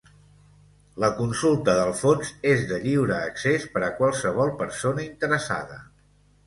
La consulta dels fons és de lliure accés per a qualsevol persona interessada.